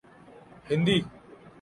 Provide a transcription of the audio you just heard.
Hindi